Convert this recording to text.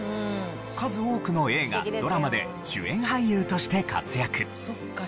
数多くの映画ドラマで主演俳優として活躍。